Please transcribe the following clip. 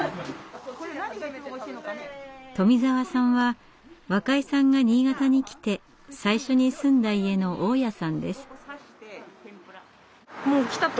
富澤さんは若井さんが新潟に来て最初に住んだ家の大家さんです。